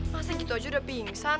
pasnya gitu aja udah pingsan